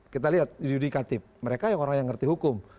kita lihat yudikatif mereka yang orang yang ngerti hukum